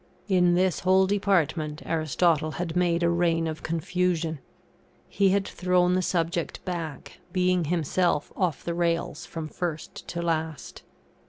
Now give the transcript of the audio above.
In this whole department, Aristotle had made a reign of confusion; he had thrown the subject back, being himself off the rails from first to last.